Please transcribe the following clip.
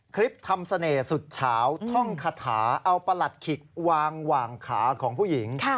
คลิปทำเสน่ห์สุดเฉาท่องคาถาเอาประหลัดขิกวางหว่างขาของผู้หญิง